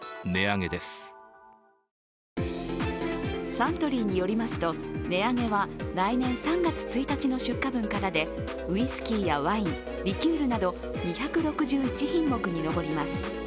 サントリーによりますと値上げは来年３月１日の出荷分からでウイスキーやワイン、リキュールなど２６１品目に上ります。